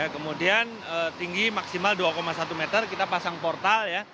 kemudian tinggi maksimal dua satu meter kita pasang portal ya